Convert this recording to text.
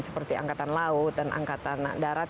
seperti angkatan laut dan angkatan darat